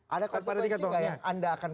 ada konsekuensi nggak yang anda akan